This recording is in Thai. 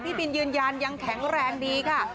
พี่บินยืนยันยังแข็งแรงดีค่ะ